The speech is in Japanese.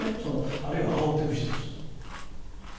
あるいはあおってる人です。